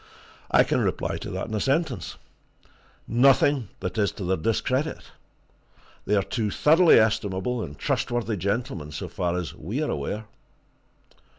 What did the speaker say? I can reply to that in a sentence nothing that is to their discredit! They are two thoroughly estimable and trustworthy gentlemen, so far as we are aware."